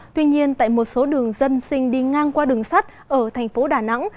tuy nhiên tại một số đường dân sinh đi ngang qua đường sắt ở thành phố đà nẵng